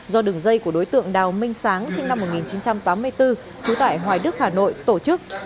do đường dây của đối tượng đào minh sáng sinh năm một nghìn chín trăm tám mươi bốn trú tại hoài đức hà nội tổ chức